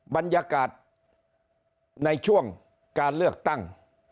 บรรยากาศในช่วงการเลือกตั้ง